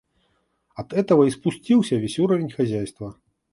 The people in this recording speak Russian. От этого и спустился весь уровень хозяйства.